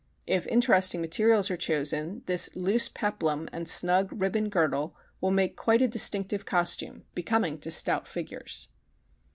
If interesting materials are chosen, this loose peplum and snug ribbon girdle will make quite a distinctive costume, becoming to stout figures.